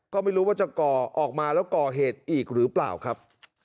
ก็ไม่รู้ว่าจะก่อออกมาแล้วก่อเหตุอีกหรือเปล่าครับ